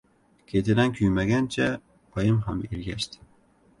Ketidan kuymangancha oyim ham ergashdi.